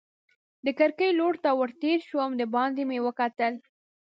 د کړکۍ لور ته ور تېر شوم، دباندې مې وکتل.